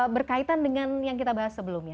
berkaitan dengan yang kita bahas sebelumnya